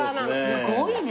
すごいね！